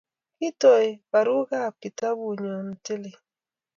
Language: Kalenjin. ki toi barakutab kitabut nyu ne tilil